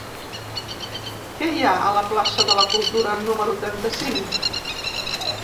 Què hi ha a la plaça de la Cultura número trenta-cinc?